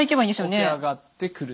起き上がってくると。